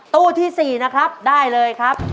ตู้ที่๔นะครับได้เลยครับ